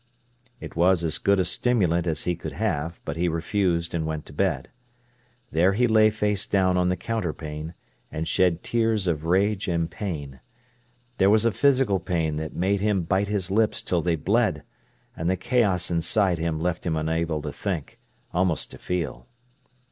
It was as good a stimulant as he could have, but he refused and went to bed. There he lay face down on the counterpane, and shed tears of rage and pain. There was a physical pain that made him bite his lips till they bled, and the chaos inside him left him unable to think, almost to feel.